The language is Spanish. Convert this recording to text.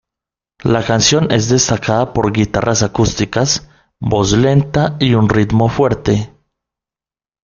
La canción es destacada por guitarras acústicas, voz lenta, y un ritmo fuerte.